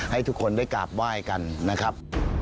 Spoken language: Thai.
ให้ทุกคนได้กราบไหว้กันนะครับ